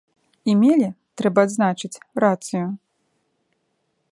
І мелі, трэба адзначыць, рацыю.